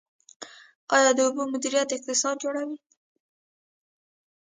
آیا د اوبو مدیریت اقتصاد جوړوي؟